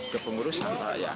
ke pengurusan pak ya